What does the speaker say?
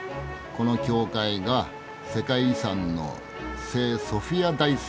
この教会が世界遺産の聖ソフィア大聖堂か。